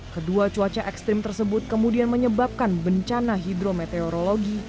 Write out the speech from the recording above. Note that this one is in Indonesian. kedua cuaca ekstrim tersebut kemudian menyebabkan bencana hidrometeorologi